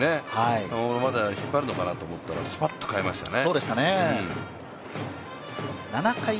玉村で引っ張るのかなと思ったら、スパッと代えましたね。